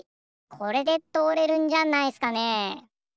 これでとおれるんじゃないっすかね。